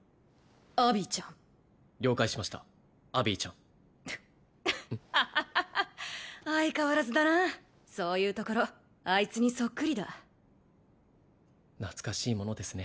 アビーちゃん了解しましたアビーちゃんプッアハハハ相変わらずだなそういうところあいつにそっくりだ懐かしいものですね